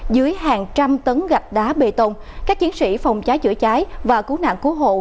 dưới hàng trăm tấn gạch đá bê tông các chiến sĩ phòng cháy chữa cháy và cứu nạn cứu hộ